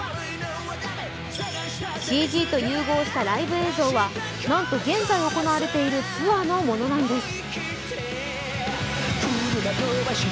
ＣＧと融合したライブ映像はなんと現在行われているツアーのものなんです。